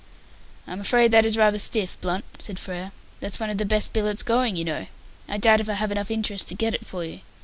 "I am afraid that is rather stiff, Blunt," said Frere. "That's one of the best billets going, you know. I doubt if I have enough interest to get it for you.